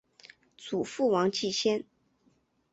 祖父王继先。